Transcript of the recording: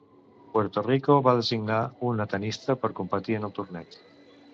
Puerto Rico va designar una tennista per competir en el torneig.